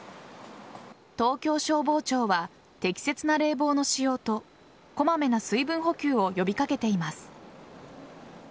東京消防庁は適切な冷房の使用とこまめな水分補給を呼び掛けています。